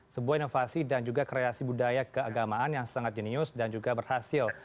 sebuah inovasi dan juga kreasi budaya keagamaan yang sangat jenius dan juga berhasil